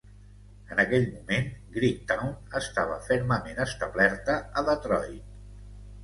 En aquell moment, Greektown estava fermament establerta a Detroit.